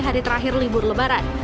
hari terakhir libur lebaran